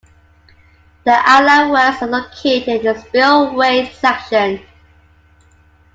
The outlet works are located in the spillway section.